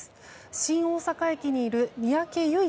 新大阪駅にいる三宅優衣